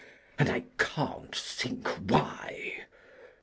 And I can't think why!